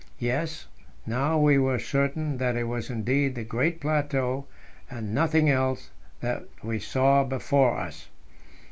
Yes, now we were certain that it was indeed the great plateau and nothing else that we saw before us.